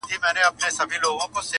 چي پر ما باندي یې سیوری کله لویږي.!